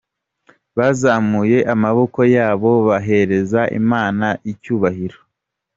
Bazamuye amaboko yabo bahereza Imana icyubahiro.